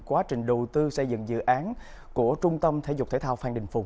quá trình đầu tư xây dựng dự án của trung tâm thể dục thể thao phan đình phùng